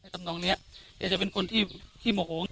ทำตรงนี้เคยจะเป็นคนที่โมโห